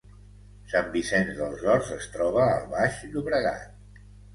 Sant Vicenç dels Horts es troba al Baix Llobregat